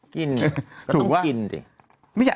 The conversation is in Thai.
กินก็ต้องกินดิ